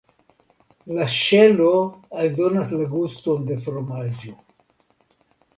La ŝelo aldonas la guston de fromaĝo.